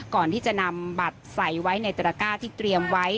ก่อนที่จะนำบัตรใส่ไว้ในตระก้าที่เตรียมไว้